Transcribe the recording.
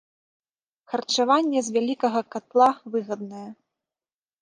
Харчаванне з вялікага катла выгаднае.